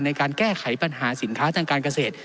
ในการแก้ไขปัญหาสินค้าทางการเกษตร